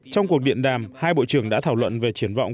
trong cuộc điện đàm hai bộ trưởng đã thảo luận về triển vọng